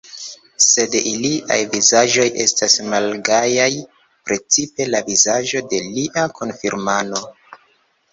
Sed iliaj vizaĝoj estas malgajaj, precipe la vizaĝo de lia kunfirmano.